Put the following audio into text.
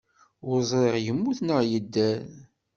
Ur ẓriɣ yemmut neɣ yedder.